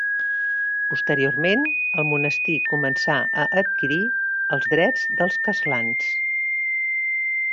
Posteriorment, el monestir començà a adquirir els drets dels castlans.